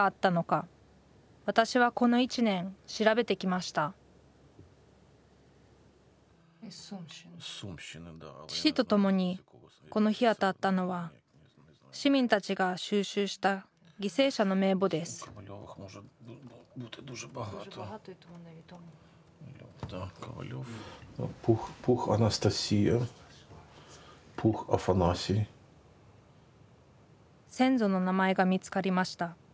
私はこの１年調べてきました父と共にこの日当たったのは市民たちが収集した犠牲者の名簿です先祖の名前が見つかりました。